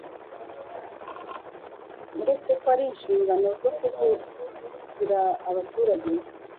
uretse ko ari inshingano zo kuvugira abaturage,